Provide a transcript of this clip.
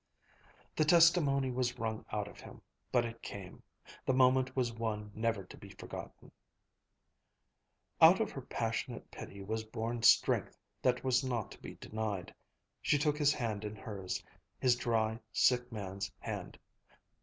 The testimony was wrung out of him. But it came. The moment was one never to be forgotten. Out of her passionate pity was born strength that was not to be denied. She took his hand in hers, his dry, sick man's hand.